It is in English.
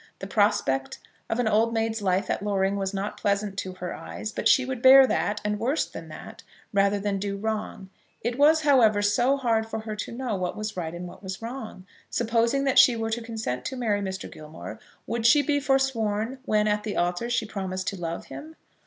The prospect of an old maid's life at Loring was not pleasant to her eyes; but she would bear that, and worse than that, rather than do wrong. It was, however, so hard for her to know what was right and what was wrong! Supposing that she were to consent to marry Mr. Gilmore, would she be forsworn when at the altar she promised to love him?